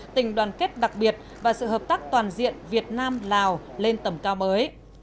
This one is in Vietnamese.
tình đoàn kết đặc biệt và sự hợp tác toàn diện việt nam lào lên tầm cao mới